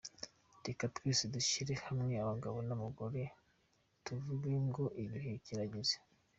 Reka twese dushyire hamwe abagabo n’ abagore tuvuge ngo igihe kirageze”.